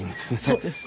そうです。